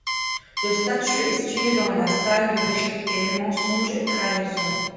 Sa statue est située dans la salle de Vérité, Mensonge et Trahison.